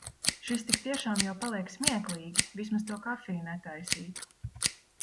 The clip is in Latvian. Šis tik tiešām jau paliek smieklīgi, vismaz to kafiju netaisītu.